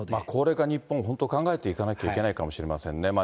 高齢化日本、本当に考えていかないといけないかもしれませんね。